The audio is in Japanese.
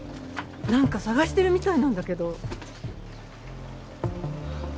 なんか探してるみたいなんだけど。